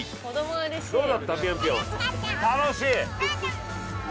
「楽しい」。